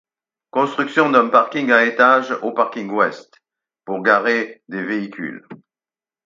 Construction d'un parking à étages au parking ouest pour garer des véhicules.